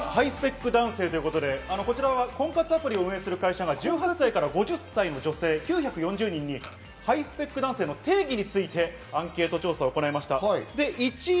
令和版ハイスペック男性ということで婚活アプリを運営する会社が１８歳から５０歳の女性、９４０人にハイスペック男性の定義についてアンケート調査を行いました。